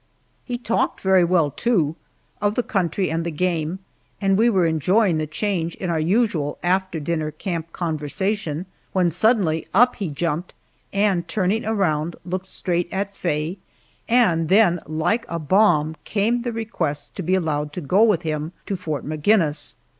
He talked very well, too, of the country and the game, and we were enjoying the change in our usual after dinner camp conversation, when suddenly up he jumped, and turning around looked straight at Faye, and then like a bomb came the request to be allowed to go with him to Fort Maginnis!